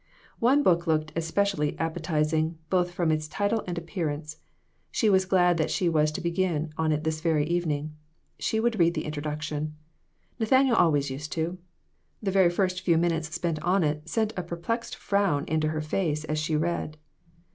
One book looked especially appetizing, both from its title and appearance. She was glad that she was to begin on it this very evening. She would read the introduction. Nathaniel always used to. The very first few minutes spent on it sent a perplexed frown into her face as she read.